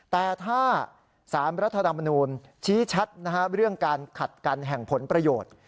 แต่ถ้าสารรัฐธรรมนูลชี้ชัดเรื่องการขัดกันแห่งผลประโยชน์